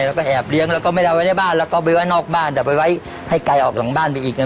แล้วก็แอบเลี้ยงแล้วก็ไม่ได้ไว้ในบ้านแล้วก็ไปไว้นอกบ้านแต่ไปไว้ให้ไกลออกหลังบ้านไปอีก